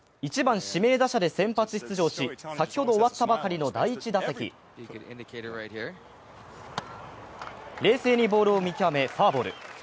１番・指名打者で先発出場し先ほど終わったばかりの第１打席、冷静にボールを見極めファウボール。